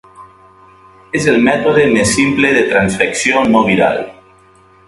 És el mètode més simple de transfecció no viral.